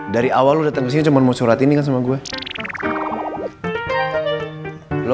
dari awal lo datang ke sini cuma mau surat ini kan sama gue